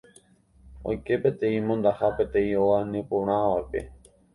Oike peteĩ mondaha peteĩ óga neporãvape